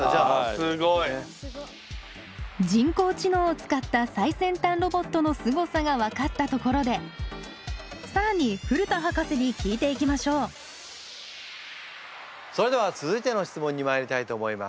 人工知能を使った最先端ロボットのすごさが分かったところで更に古田博士に聞いていきましょうそれでは続いての質問にまいりたいと思います。